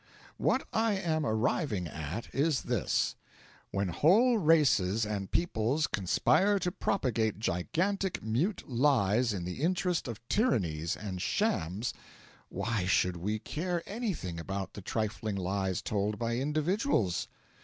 What I am arriving at is this: When whole races and peoples conspire to propagate gigantic mute lies in the interest of tyrannies and shams, why should we care anything about the trifling lies told by individuals?